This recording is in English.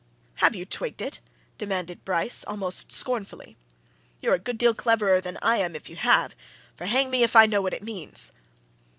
"Have you twigged it?" demanded Bryce, almost scornfully. "You're a good deal cleverer than I am if you have. For hang me if I know what it means!"